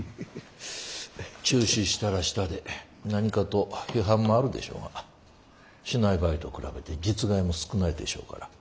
中止したらしたで何かと批判もあるでしょうがしない場合と比べて実害も少ないでしょうから。